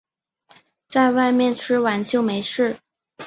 在外面吃完就没事